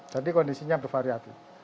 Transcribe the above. jadi kondisinya bervariasi